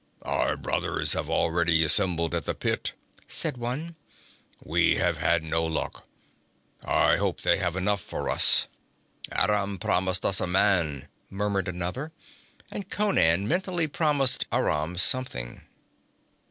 'Our brothers have already assembled at the pit,' said one. 'We have had no luck. I hope they have enough for us.' 'Aram promised us a man,' muttered another, and Conan mentally promised Aram something.